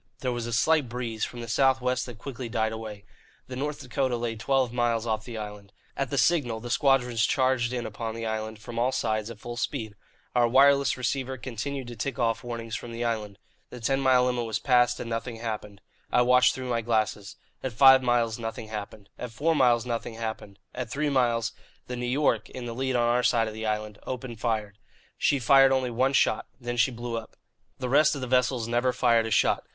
There was a slight breeze from the south west that quickly died away. The North Dakota lay twelve miles off the island. At the signal the squadrons charged in upon the island, from all sides, at full speed. Our wireless receiver continued to tick off warnings from the island. The ten mile limit was passed, and nothing happened. I watched through my glasses. At five miles nothing happened; at four miles nothing happened; at three miles, the New York, in the lead on our side of the island, opened fire. She fired only one shot. Then she blew up. The rest of the vessels never fired a shot.